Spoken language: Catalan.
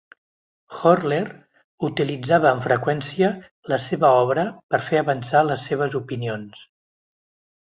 Horler utilitzava amb freqüència la seva obra per fer avançar les seves opinions.